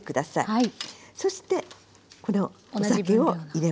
はい。